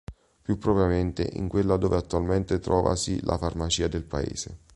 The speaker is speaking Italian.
Più propriamente in quella dove attualmente trovasi la Farmacia del paese.